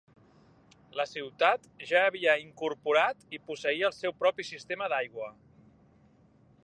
La ciutat ja havia incorporat i posseïa el seu propi sistema d'aigua.